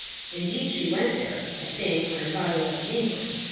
Indeed she went there, I think, when her father left England.